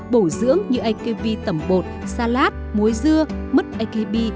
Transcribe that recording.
bổ dưỡng như akb tẩm bột salad muối dưa mứt akb